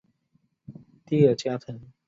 蒂尔加滕。